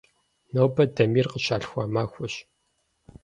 Нобэ Дамир къыщалъхуа махуэщ.